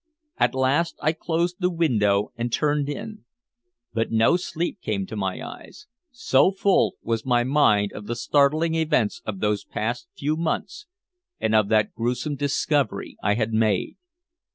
At last I closed the window and turned in, but no sleep came to my eyes, so full was my mind of the startling events of those past few months and of that gruesome discovery I had made.